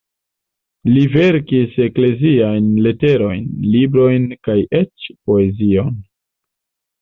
Li verkis ekleziajn leterojn, librojn kaj eĉ poezion.